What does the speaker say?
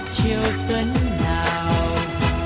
chưa sớm nào